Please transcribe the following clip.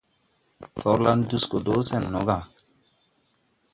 Torlan dus do sen no ga.